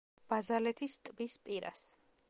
ბაზალეთის ტბის პირას.